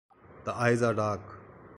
The eyes are dark.